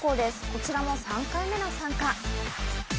こちらも３回目の参加。